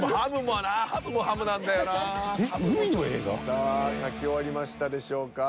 さあ書き終わりましたでしょうか？